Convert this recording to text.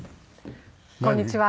こんにちは。